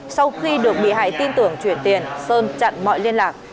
sau khi được bị hại tin tưởng chuyển tiền sơn chặn mọi liên lạc